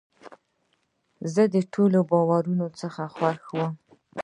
زه د ټولو بریاوو څخه خوښ یم .